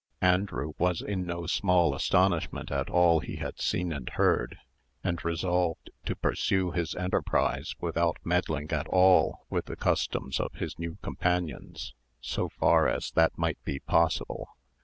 Andrew was in no small astonishment at all he had seen and heard, and resolved to pursue his enterprise without meddling at all with the customs of his new companions, so far as that might be possible.